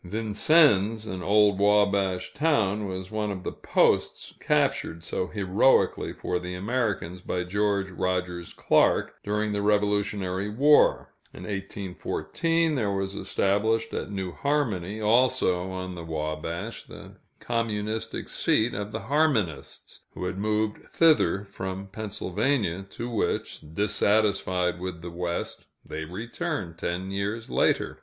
Vincennes, an old Wabash town, was one of the posts captured so heroically for the Americans by George Rogers Clark, during the Revolutionary War. In 1814, there was established at New Harmony, also on the Wabash, the communistic seat of the Harmonists, who had moved thither from Pennsylvania, to which, dissatisfied with the West, they returned ten years later.